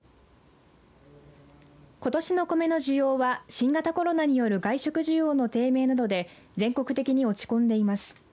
ことしのコメの需要は新型コロナによる外食需要の低迷などで全国的に落ち込んでいます。